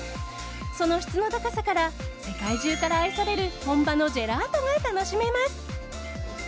その質の高さから世界中から愛される本場のジェラートが楽しめます。